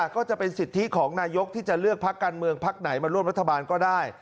ก็จะเป็นสิทธิของนายกที่จะเลือกพักการเมืองพักไหนมาร่วมรัฐบาลก็ได้